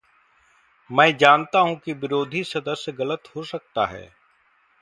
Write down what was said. मैं जानता हूं कि विरोधी सदस्य गलत हो सकता है।